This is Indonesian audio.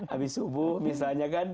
abis subuh misalnya kan